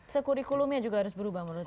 sekurikulumnya juga harus berubah menurut